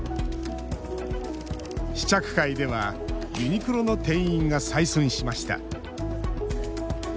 試着会ではユニクロの店員が採寸しました。